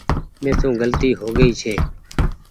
ميسو گلتي هوگئي ڇي